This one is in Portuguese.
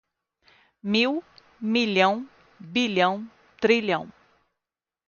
mil, milhão, bilhão, trilhão.